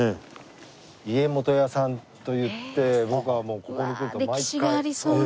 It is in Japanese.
家元屋さんといって僕はもうここに来ると毎回。